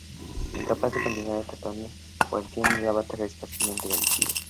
Incapaz de continuar atacando al Guardián, el Avatar es fácilmente vencido.